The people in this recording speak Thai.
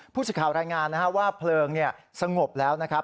พูดสิทธิ์ข่าวรายงานนะครับว่าเพลิงสงบแล้วนะครับ